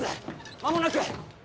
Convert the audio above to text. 間もなく！